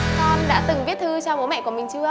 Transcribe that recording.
các em đã từng viết thư cho bố mẹ của mình chưa